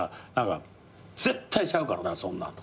「絶対ちゃうからなそんなん」とか言って。